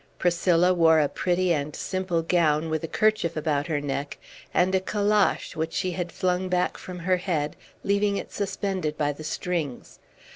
Priscilla wore a pretty and simple gown, with a kerchief about her neck, and a calash, which she had flung back from her head, leaving it suspended by the strings.